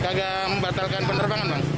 kagak membatalkan penerbangan bang